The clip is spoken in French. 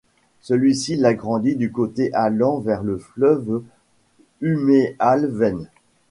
Celui-ci l'agrandit du côté allant vers le fleuve Umeälven.